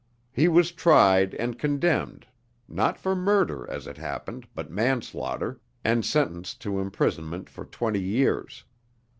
He was tried and condemned (not for murder, as it happened, but manslaughter), and sentenced to imprisonment for twenty years.